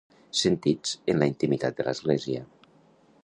Sentits en la intimitat de l'església.